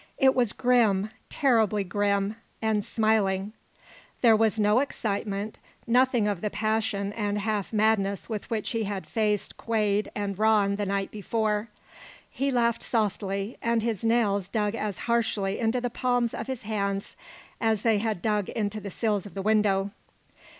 It was grim, terribly grim and smiling. There was no excitement, nothing of the passion and half madness with which he had faced Quade and Rann the night before. He laughed softly, and his nails dug as harshly into the palms of his hands as they had dug into the sills of the window.